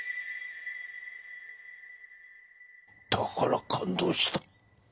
だから勘当した。